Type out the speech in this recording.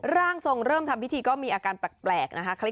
ร่างทรงเริ่มทำพิธีก็มีอาการแปลกนะคะ